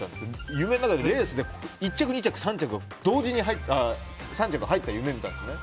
夢の中でレースで１着２着３着が入った夢を見たんですね。